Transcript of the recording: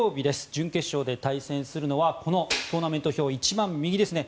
準決勝で対戦するのはこのトーナメント表一番右ですね